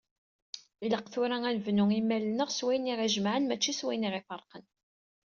Ilaq tura ad nebnu imal-nneɣ s wayen i d-aɣ-ijemeɛen mačči s wayen i d-aɣ-iferqen.